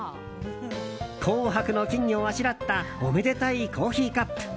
紅白の金魚をあしらったおめでたいコーヒーカップ。